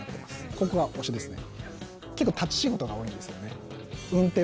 ここが推しですね。